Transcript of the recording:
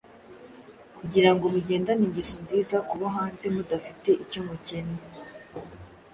kugira ngo mugendane ingeso nziza ku bo hanze, mudafite icyo mukennye.”